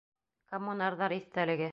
Коммунарҙар иҫтәлеге